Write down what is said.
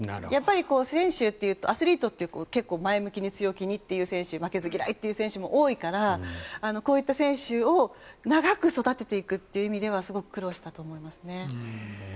選手、アスリートって前向きに、強気にという選手負けず嫌いの選手も多いからこういった選手を長く育てていくという意味ではすごく苦労したと思いますね。